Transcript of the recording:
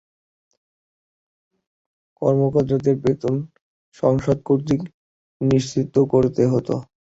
কর্মকর্তাদের বেতন সংসদ কর্তৃক নিশ্চিত করতে হতো।